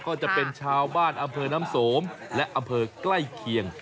ก็จะเป็นชาวบ้านอำเภอน้ำสมและอำเภอใกล้เคียง